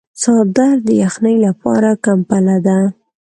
څادر د یخنۍ لپاره کمپله ده.